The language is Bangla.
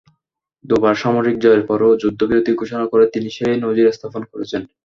দুবার সামরিক জয়ের পরও যুদ্ধবিরতি ঘোষণা করে তিনি সেই নজির স্থাপন করেছেন।